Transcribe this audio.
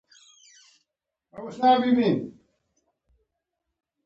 د تیلو فابریکې جوړول پکار دي.